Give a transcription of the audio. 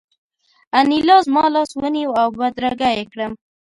انیلا زما لاس ونیو او بدرګه یې کړم